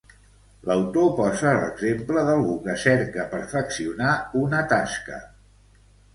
L'autor posa l'exemple d'algú que cerca perfeccionar una tasca.